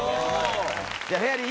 じゃあフェアリー